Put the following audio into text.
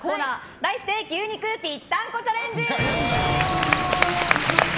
題して牛肉ぴったんこチャレンジ！